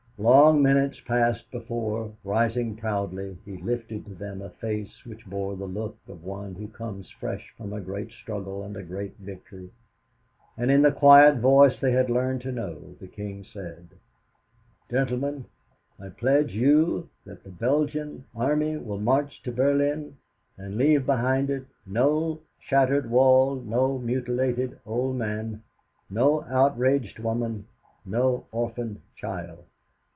Long minutes passed before, rising proudly, he lifted to them a face which bore the look of one who comes fresh from a great struggle and a great victory, and in the quiet voice they had learned to know, the king said: 'Gentlemen, I pledge you that the Belgian army will march to Berlin and leave behind it no shattered wall, no mutilated old man, no outraged woman, no orphaned child.'"